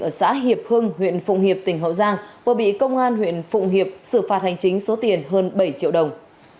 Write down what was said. ở xã hiệp hưng huyện phụng hiệp tỉnh hậu giang vừa bị công an huyện phụng hiệp xử phạt hành chính số tiền hơn bảy triệu đồng